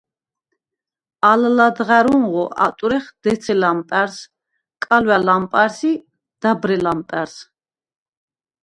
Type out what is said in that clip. ალ ლადღა̈რუნღო ატვრეხ დეცე ლამპა̈რს, კალვა̈ ლამპა̈რს ი დაბრე ლამპა̈რს.